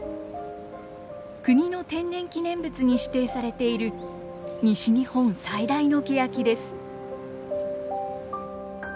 国の天然記念物に指定されている西日本最大のケヤキです。